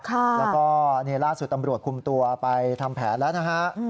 แล้วก็นี่ล่าสุดตำรวจคุมตัวไปทำแผนแล้วนะฮะ